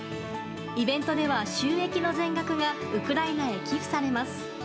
イベントでは収益の全額がウクライナへ寄付されます。